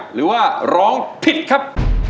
หรือว่าร้องผิดครับ